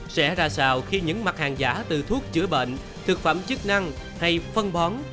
sẽ ra sao khi những mặt hàng giả từ thuốc chữa bệnh thực phẩm chức năng hay phân bón